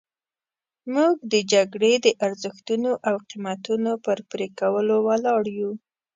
موږ د جګړې د ارزښتونو او قیمتونو پر پرې کولو ولاړ یو.